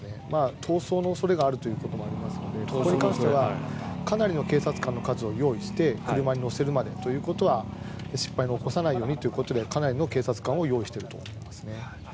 逃走の恐れがあるということもありますのでそこに関してはかなりの警察官の数を用意して車に乗せるまでというところは失敗を起こさないようにということでかなりの警察官を用意していると思いますね。